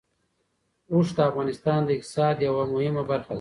اوښ د افغانستان د اقتصاد یوه مهمه برخه ده.